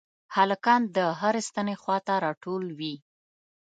هلکان د هرې ستنې خواته راټول وي.